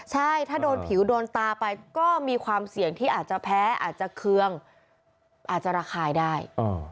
ใช่ถ้าโดนผิวโดนตาไปก็มีความเสี่ยงที่อาจจะแพ้อาจจะเคืองอาจจะระคายได้